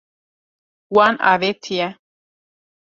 Wan avêtiye.